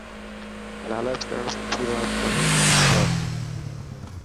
لالچ ڪرڻ سٺي بات ڪونهي.